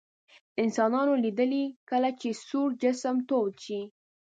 انسانانو لیدلي کله چې سوړ جسم تود شي.